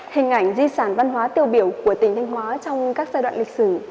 hình ảnh di sản văn hóa tiêu biểu của tỉnh thanh hóa trong các giai đoạn lịch sử